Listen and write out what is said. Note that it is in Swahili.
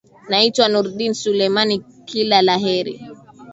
naitwa nurdin selumani kila la heri